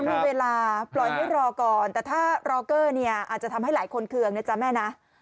มีเวลาปล่อยให้รอก่อนแต่ถ้ารอเกอร์เนี่ยอาจจะทำให้หลายคนเคืองนะจ๊ะแม่นะ